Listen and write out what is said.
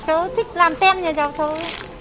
cháu thích làm tem nhà cháu thôi